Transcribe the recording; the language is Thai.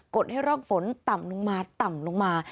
ดให้ร่องฝนต่ำลงมาต่ำลงมา